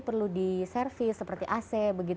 perlu diservis seperti ac